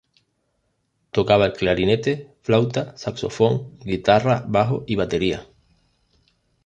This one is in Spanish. Tocaba el clarinete, flauta, saxofón, guitarra, bajo y batería.